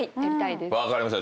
分かりました。